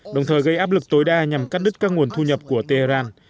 đồng thời gây áp lực tối đa nhằm cắt đứt các nguồn thu nhập của tehran